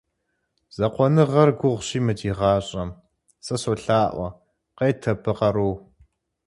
Закъуэныгъэр гугъущи мы ди гъащӏэм, сэ солъаӏуэ — къет абы къару.